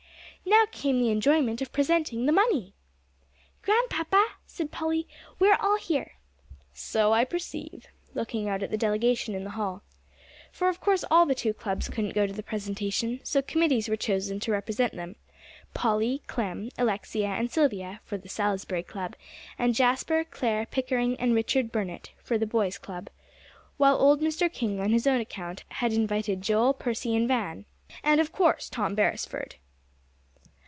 Now came the enjoyment of presenting the money! "Grandpapa," said Polly, "we are all here." "So I perceive," looking out on the delegation in the hall. For of course all the two clubs couldn't go to the presentation, so committees were chosen to represent them Polly, Clem, Alexia, and Silvia, for the Salisbury Club, and Jasper, Clare, Pickering, and Richard Burnett for the boys' club; while old Mr. King on his own account had invited Joel, Percy and Van, and, of course, Tom Beresford.